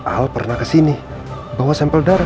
al pernah kesini bawa sampel darah